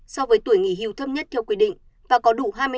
so với tuổi nghỉ hưu thấp nhất theo quy định và có đủ hai mươi năm